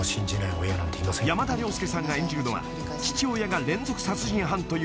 ［山田涼介さんが演じるのは父親が連続殺人犯というエイジ］